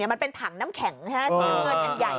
มันเป็นถังน้ำแข็งเย็นใหญ่